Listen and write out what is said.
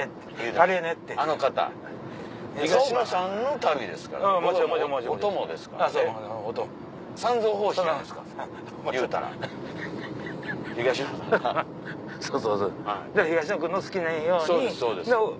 だから東野君の好きなように。